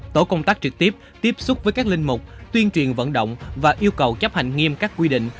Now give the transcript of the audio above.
tổ công tác trực tiếp tiếp xúc với các linh mục tuyên truyền vận động và yêu cầu chấp hành nghiêm các quy định